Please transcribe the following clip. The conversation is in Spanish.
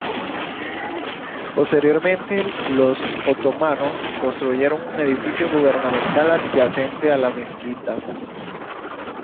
Posteriormente, los otomanos construyeron un edificio gubernamental adyacente a la mezquita.